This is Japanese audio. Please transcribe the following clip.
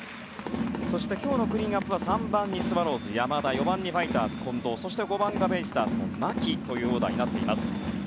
そして、今日のクリーンナップは３番にスワローズの山田４番にファイターズの近藤そして５番がベイスターズの牧というオーダーです。